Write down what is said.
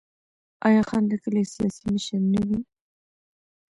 آیا خان د کلي سیاسي مشر نه وي؟